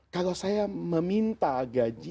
kalau saya meminta gaji